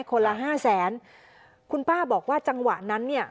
คนละห้าแสนคุณป้าบอกว่าจังหวะนั้นเนี่ย